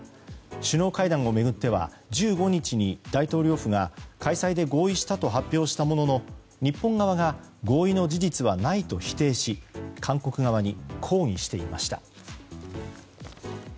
首脳会談を巡っては１５日に大統領府が開催で合意したと発表したものの日本側が合意の事実はないと否定し韓国側に抗議していました。